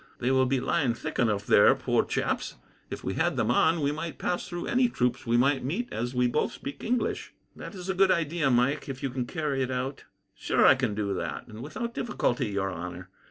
They will be lying thick enough there, poor chaps. If we had them on, we might pass through any troops we might meet, as we both speak English." "That is a good idea, Mike, if you can carry it out." "Sure I can do that, and without difficulty, your honour.